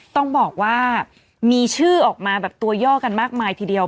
ต้องบอกว่ามีชื่อออกมาแบบตัวย่อกันมากมายทีเดียว